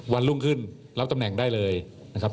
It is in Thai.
วันรุ่งขึ้นรับตำแหน่งได้เลยนะครับ